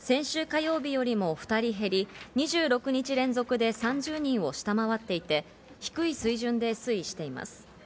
先週火曜日よりも２人減り、２６日連続で３０人を下回っていて、低い水準で推移しています。